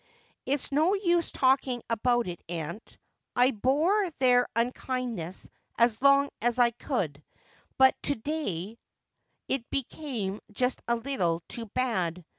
' It's no use talking about it, aunt. I bore their unkindness as long as I could, but to day it became just a little too bad.'